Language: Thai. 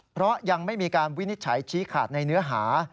เพราะยังไม่มีการวินิจฉัยชี้ขาดในเนื้อหา